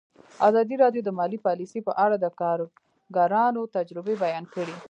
ازادي راډیو د مالي پالیسي په اړه د کارګرانو تجربې بیان کړي.